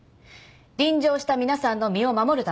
臨場した皆さんの身を守るためです。